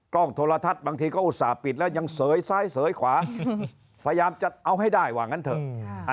โทรทัศน์บางทีก็อุตส่าห์ปิดแล้วยังเสยซ้ายเสยขวาพยายามจะเอาให้ได้ว่างั้นเถอะ